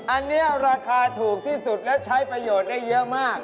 อันนี้ราคาถูกที่สุดและใช้ประโยชน์ได้เยอะมาก